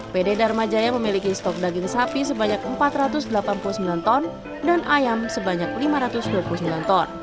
pd dharma jaya memiliki stok daging sapi sebanyak empat ratus delapan puluh sembilan ton dan ayam sebanyak lima ratus dua puluh sembilan ton